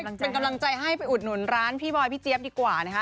เป็นกำลังใจให้ไปอุดหนุนร้านพี่บอยพี่เจี๊ยบดีกว่านะคะ